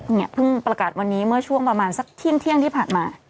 เนี่ยเพิ่งประกาศวันนี้เมื่อช่วงประมาณสักเที่ยงที่ผ่านมา